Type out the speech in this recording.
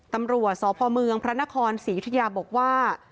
ตำรวจสพเมืองพระนครศรียุธยาบอกว่า